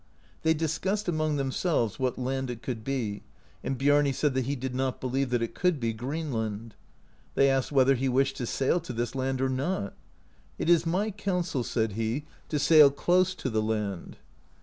They discussed among themselves what land it could be, and Biami said that he did not believe that it could be Greenland. They asked whether he wished to sail to this land or not. "It is my counsel" [said he], "to sail close to the land."